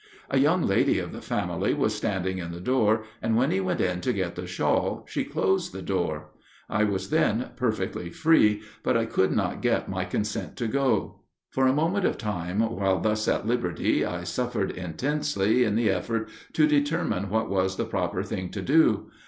A young lady of the family was standing in the door, and when he went in to get the shawl, she closed the door. I was then perfectly free, but I could not get my consent to go. For a moment of time while thus at liberty I suffered intensely in the effort to determine what was the proper thing to do.